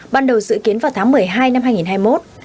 ban đầu dự kiến vào tháng một mươi hai năm hai nghìn hai mươi một